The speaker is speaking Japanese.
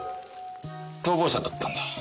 逃亡者だったんだ。